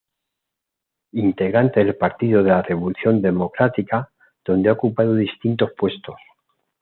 Integrante del Partido de la Revolución Democrática, donde ha ocupado distintos puestos.